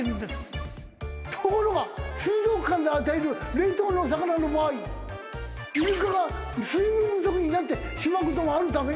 ところが水族館で与える冷凍の魚の場合イルカが水分不足になってしまうこともあるため。